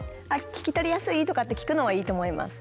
聞き取りやすい？とかって聞くのはいいと思います。